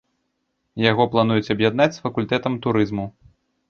Яго плануюць аб'яднаць з факультэтам турызму.